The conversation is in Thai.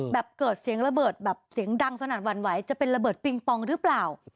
แบบเกิดเสียงระเบิดแบบเสียงดังสนั่นหวั่นไหวจะเป็นระเบิดปิงปองหรือเปล่า